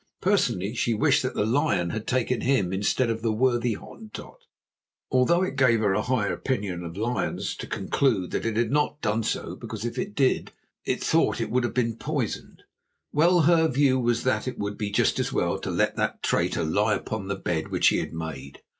Personally, she wished that the lion had taken him instead of the worthy Hottentot, although it gave her a higher opinion of lions to conclude that it had not done so, because if it did it thought it would have been poisoned. Well, her view was that it would be just as well to let that traitor lie upon the bed which he had made.